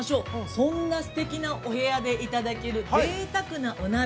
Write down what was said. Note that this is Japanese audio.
そんなすてきなお部屋でいただけるぜいたくなお鍋。